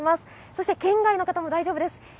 そして県外の方も大丈夫です。